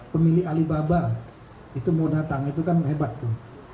pemilih alibaba itu mau datang itu kan hebat tuh